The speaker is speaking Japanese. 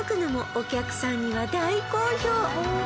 お客さんには大好評！